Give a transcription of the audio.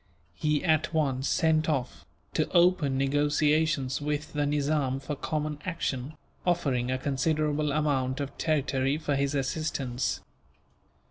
He at once sent off, to open negotiations with the Nizam for common action, offering a considerable amount of territory for his assistance.